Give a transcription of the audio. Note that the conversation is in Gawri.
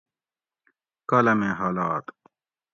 کالامیں حالات